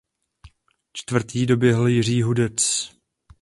Čtvrtý doběhl Jiří Hudec.